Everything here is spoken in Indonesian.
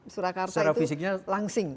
surakarta itu langsing